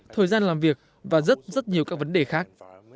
thời gian làm việc và rất rất nhiều các vấn đề khác